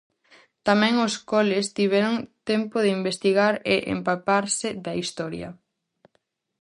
Tamén os coles tiveron tempo de investigar e "empaparse" da historia.